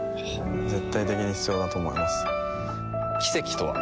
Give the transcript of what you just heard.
絶対的に必要だと思います奇跡とは？